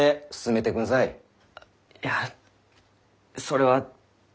あっいやそれは。